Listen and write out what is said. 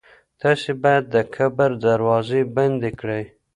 تاسي باید د کبر دروازې بندې کړئ.